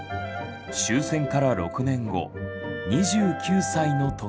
終戦から６年後２９歳の時だった。